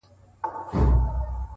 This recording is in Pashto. نظم د وخت ساتونکی دی؛